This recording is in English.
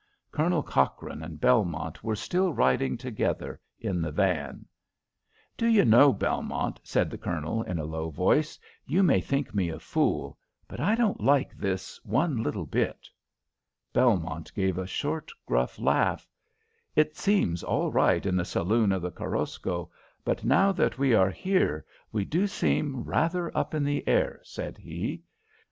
Colonel Cochrane and Belmont were still riding together in the van. [Illustration: A silence fell upon the little company p72] "Do you know, Belmont," said the Colonel, in a low voice, "you may think me a fool, but I don't like this one little bit." Belmont gave a short gruff laugh. "It seemed all right in the saloon of the Korosko, but now that we are here we do seem rather up in the air," said he.